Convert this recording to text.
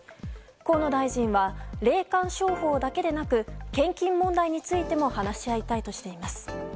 河野大臣は、霊感商法だけでなく献金問題についても話し合いたいとしています。